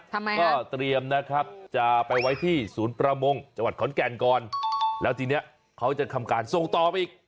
ทำไมคะก็เตรียมนะครับจะไปไว้ที่ศูนย์ประมงจังหวัดขอนแก่นก่อนแล้วทีเนี้ยเขาจะทำการส่งต่อไปอีก